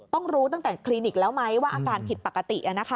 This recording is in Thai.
รู้ตั้งแต่คลินิกแล้วไหมว่าอาการผิดปกติ